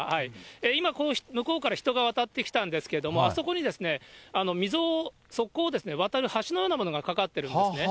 今、向こうから人が渡ってきたんですけれども、あそこに溝、側溝を渡る橋のようなものが架かってるんですね。